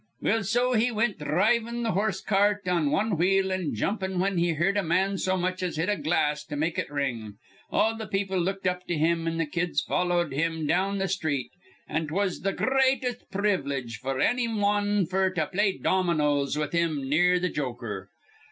"Well, so he wint dhrivin' th' hose cart on wan wheel, an' jumpin' whin he heerd a man so much as hit a glass to make it ring. All th' people looked up to him, an' th' kids followed him down th' sthreet; an' 'twas th' gr reatest priv'lige f'r anny wan f'r to play dominos with him near th' joker.